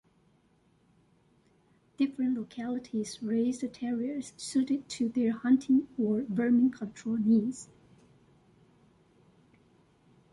Different localities raised terriers suited to their hunting or vermin control needs.